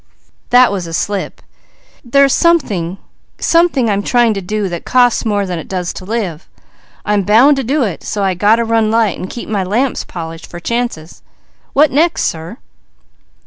"That was a slip. There's a there's something something I'm trying to do that costs more than it does to live. I'm bound to do it, so I got to run light and keep my lamps polished for chances. What next, sir?"